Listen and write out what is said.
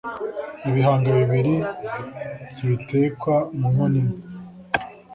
Ibihanga bibiri ntibitekwa mu nkono imwe